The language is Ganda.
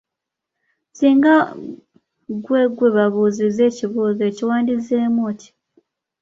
"Singa ggwe gwe babuuzizza ekibuuzo ekyo, wandizzeemu otya?"